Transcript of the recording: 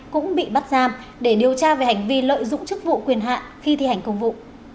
cũng bị bắt giam để điều tra về hành vi lợi dụng chức vụ quyền hạn khi thi hành công vụ